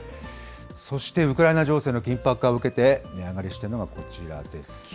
そしてウクライナ情勢の緊迫化を受けて、値上がりしてるのがこちらです。